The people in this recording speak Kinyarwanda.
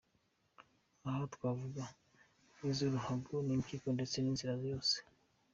Aha twavuga nk’iz’uruhago n’impyiko ndetse n’inzira yose.